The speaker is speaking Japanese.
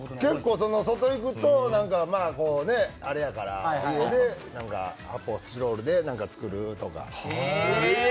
外行くとあれやから、発泡スチロールで何か作るとか。